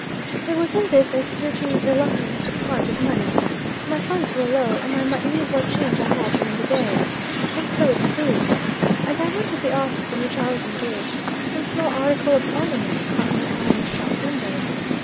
"There was in this a certain reluctance to part with money. My funds were low, and I might need what change I had during the day. And so it proved! As I went to the office in which I was engaged, some small article of ornament caught my eye in a shop window.